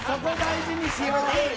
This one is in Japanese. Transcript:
そこ大事にしよう。